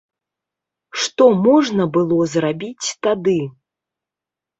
Што можна было зрабіць тады?